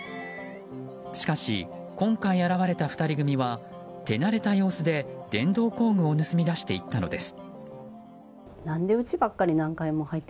しかし、今回現れた２人組は手慣れた様子で電動工具を盗み出していったのです。